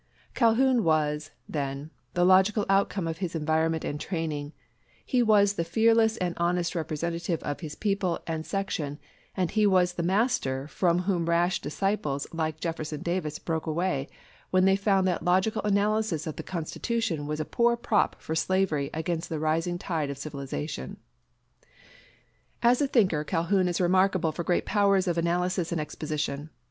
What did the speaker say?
Calhoun was, then, the logical outcome of his environment and his training; he was the fearless and honest representative of his people and section; and he was the master from whom rash disciples like Jefferson Davis broke away, when they found that logical analysis of the Constitution was a poor prop for slavery against the rising tide of civilization. As a thinker Calhoun is remarkable for great powers of analysis and exposition.